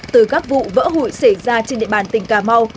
từ các vụ vỡ hụi xảy ra trên địa bàn tỉnh cà mau